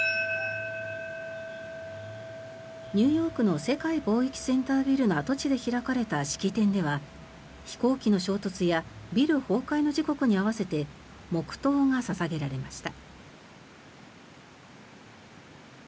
ニューヨークの世界貿易センタービルの跡地で開かれた式典では飛行機の衝突やビル崩壊の時刻に合わせて黙祷が捧げられました。